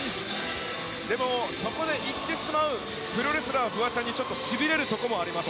でもそこでいってしまうプロレスラーフワちゃんに、ちょっとしびれるとこもあります。